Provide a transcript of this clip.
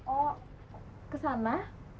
oh ke sana